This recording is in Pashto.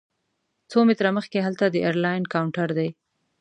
څو متره مخکې هلته د ایرلاین کاونټر دی.